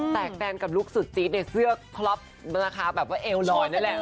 แตกแปลงกับลูกสุดจีสในเสื้อคลอปรับแบบว่าเอวรอยนี่แหละ